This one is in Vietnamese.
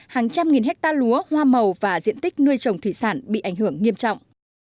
hàng trăm nghìn hectare lúa hoa màu và diện tích nuôi trồng thủy sản bị ảnh hưởng nghiêm trọng